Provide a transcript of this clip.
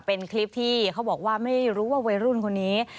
เป็นคลิปที่เขาบอกว่าไม่รู้ว่าวัยรุ่นคนนี้